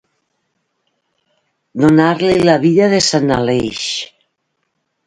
Donar-li la vida de sant Aleix.